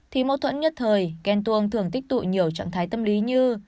thì mâu thuẫn nhất thời ghen tuông thường tích tụ nhiều trạng thái tâm lý như